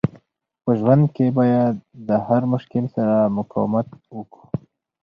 په ژوند کښي باید د هر مشکل سره مقاومت وکو.